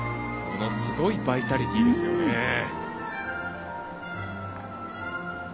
ものすごいバイタリティーですよね。